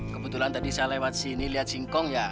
kebetulan tadi saya lewat sini liat si ngkong ya